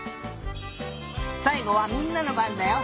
さいごはみんなのばんだよ。